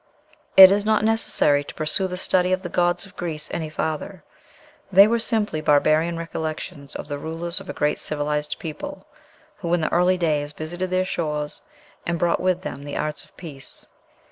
It is not necessary to pursue the study of the gods of Greece any farther. They were simply barbarian recollections of the rulers of a great civilized people who in early days visited their shores, and brought with them the arts of peace.